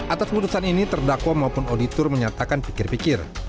atas putusan ini terdakwa maupun auditor menyatakan pikir pikir